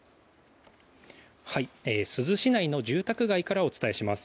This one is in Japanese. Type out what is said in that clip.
珠洲市内の住宅街からお伝えします。